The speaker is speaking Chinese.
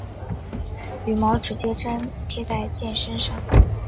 羽毛直接粘贴在箭身上。